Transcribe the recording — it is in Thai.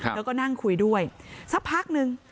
เธอก็นั่งคุยด้วยสักพักนึง